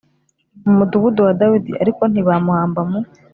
mu mudugudu wa Dawidi ariko ntibamuhamba mu